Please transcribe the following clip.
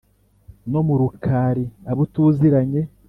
No mu Rukari abo tuziranye